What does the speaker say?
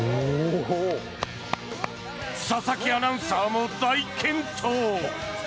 佐々木アナウンサーも大健闘。